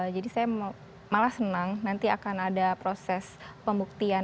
jadi saya malah senang nanti akan ada proses pembuktian